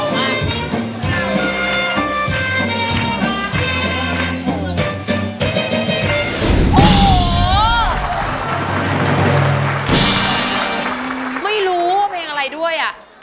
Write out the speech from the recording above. ไม่รู้เพลงอะไรด้วย